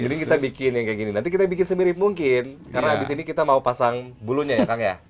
jadi kita bikin yang kayak gini nanti kita bikin semirip mungkin karena habis ini kita mau pasang bulunya ya kang ya